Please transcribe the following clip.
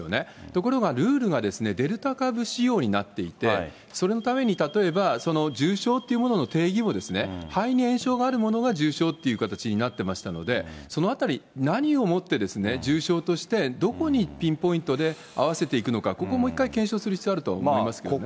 ところが、ルールがデルタ株仕様になっていて、それのために例えば、重症というものの定義も、肺に炎症があるものが重症っていう形になってましたので、そのあたり、何をもって重症として、どこにピンポイントで合わせていくのか、ここをもう一回、検証する必要があると思いますけどね。